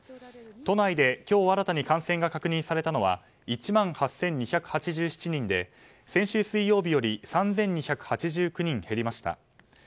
都内で今日新たに感染が確認されたのは１万８２８７人で先週水曜日より３２８９人減りました。